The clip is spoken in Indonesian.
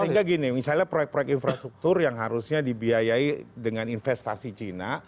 sehingga gini misalnya proyek proyek infrastruktur yang harusnya dibiayai dengan investasi cina